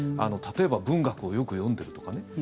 例えば文学をよく読んでいるとかね。